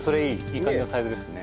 いい感じのサイズですね。